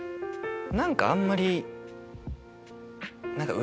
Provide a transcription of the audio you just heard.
何かあんまり。